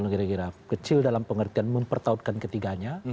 kira kira kecil dalam pengertian mempertautkan ketiganya